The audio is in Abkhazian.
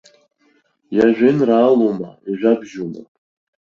Иажәеинраалоума, иажәабжьума.